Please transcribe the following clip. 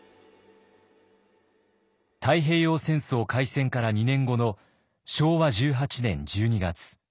太平洋戦争開戦から２年後の昭和１８年１２月。